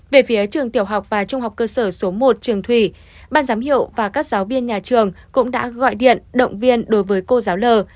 về phía trường tiểu học và trung học cơ sở số một trường thủy ban giám hiệu và các giáo viên nhà trường cũng đã gọi điện động viên đối với cô giáo l